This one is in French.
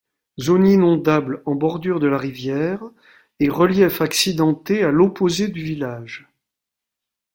Zone inondable en bordure de la rivière et relief accidenté à l'opposé du village.